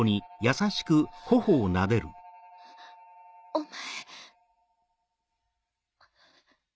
お前。